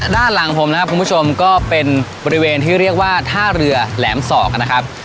ด้านหลังผมนะครับคุณผู้ชมก็เป็นบริเวณที่เรียกว่าท่าเรือแหลมศอกนะครับ